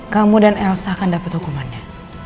kamu dan elsa akan dapat hukumannya